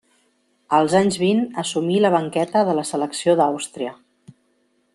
Als anys vint assumí la banqueta de la selecció d'Àustria.